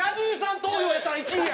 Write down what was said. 投票やったら、１位や！